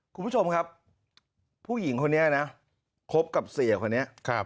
คุณผู้ชมครับผู้หญิงคนนี้นะคบกับเสียคนนี้